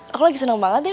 aku lagi seneng banget deh